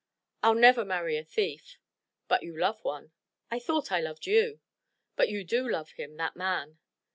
"I'll never marry a thief." "But you love one?" "I thought I loved you." "But you do love him, that man!"